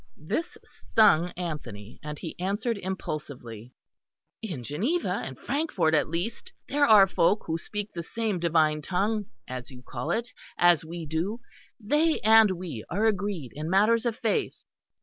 This stung Anthony, and he answered impulsively. "In Geneva and Frankfort, at least, there are folk who speak the same divine tongue, as you call it, as we do; they and we are agreed in matters of faith."